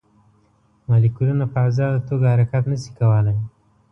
مالیکولونه په ازاده توګه حرکت نه شي کولی.